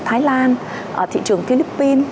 thái lan thị trường philippines